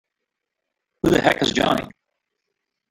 Who the heck is Johnny?!